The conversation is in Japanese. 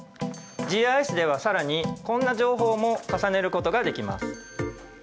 ＧＩＳでは更にこんな情報も重ねることができます。